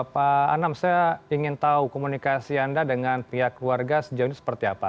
pak anam saya ingin tahu komunikasi anda dengan pihak keluarga sejauh ini seperti apa